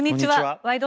「ワイド！